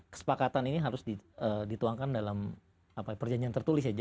kesepakatan ini harus dituangkan dalam perjanjian tertulis ya